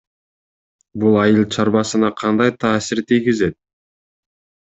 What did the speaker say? Бул айыл чарбасына кандай таасир тийгизет?